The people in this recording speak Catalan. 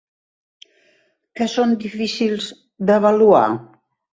Què són difícils d'avaluar?